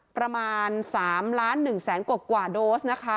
ประมาณ๓๑๐๐๐๐๐กว่าโดสนะคะ